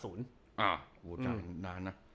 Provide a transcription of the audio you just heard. อู๋ต่างนะ